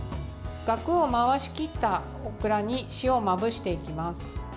がくを回し切ったオクラに塩をまぶしていきます。